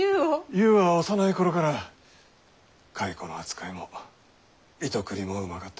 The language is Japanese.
ゆうは幼い頃から蚕の扱いも糸繰りもうまかった。